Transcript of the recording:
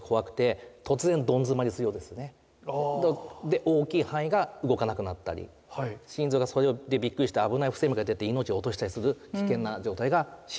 で大きい範囲が動かなくなったり心臓がそれでびっくりして危ない不整脈が出て命を落としたりする危険な状態が心筋梗塞なんですね。